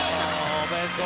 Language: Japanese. おめでとう。